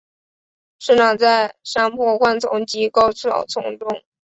生长在山坡灌丛及高草丛中。